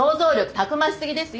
たくましすぎですよ。